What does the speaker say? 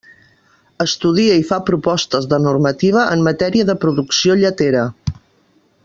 Estudia i fa propostes de normativa en matèria de producció lletera.